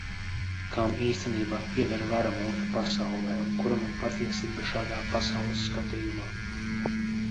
Kam īstenībā pieder vara mūsu pasaulē un kuram ir patiesība šādā pasaules skatījumā?